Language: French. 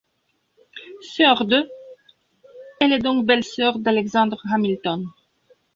Sœur d', elle est donc belle-sœur d'Alexander Hamilton.